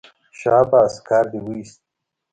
شاباس کار دې وایست.